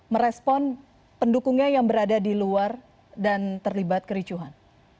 merespon pendukungnya yang berada di luar dan terlibat kericuhan